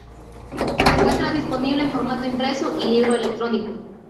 Se encuentra disponible en formato impreso y libro electrónico.